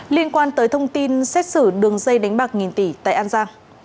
liên quan tới thông tin xét xử đường dây đánh bạc nghìn tỷ tại an giang